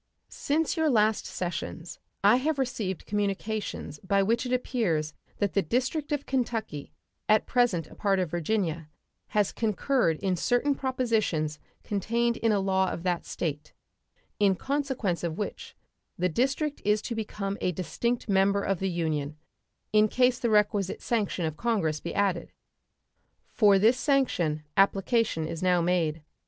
Since your last sessions I have received communications by which it appears that the district of Kentucky, at present a part of Virginia, has concurred in certain propositions contained in a law of that State, in consequence of which the district is to become a distinct member of the Union, in case the requisite sanction of Congress be added. For this sanction application is now made.